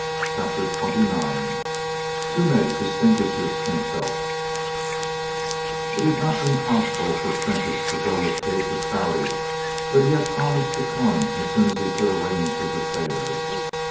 CHAPTER XXIX TOOMEY DISTINGUISHES HIMSELF It had not been possible for Prentiss to go with Kate to Prouty but he had promised to come as soon as he could arrange his affairs.